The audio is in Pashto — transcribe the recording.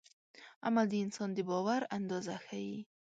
عمل د انسان د باور اندازه ښيي.